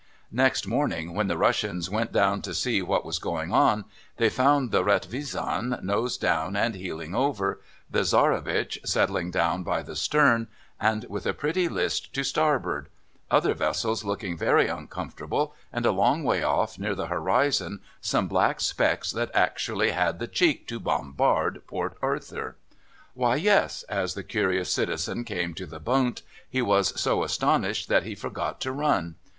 Next morning, when the Russians went down to see what was going on, they found the Retvisan nose down and heeling over, the Tsarevich settling down by the stern and with a pretty list to starboard, other vessels looking very uncomfortable, and a long way off, near the horizon, some black specks that actually "had the cheek" to bombard Port Arthur. Why, yes, as the curious citizen came to the Bund, he was so astonished that he forgot to run.